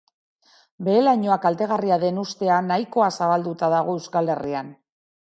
Behe-lainoa kaltegarria den ustea nahikoa zabalduta dago Euskal Herrian.